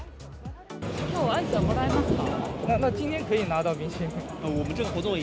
きょうはアイスはもらえますか？